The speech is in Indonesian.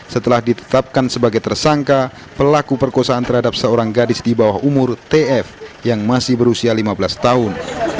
setelah ditetapkan sebagai tersangka pelaku perkosaan terhadap seorang gadis di bawah umur tf yang masih berusia lima belas tahun